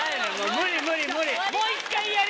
無理無理無理。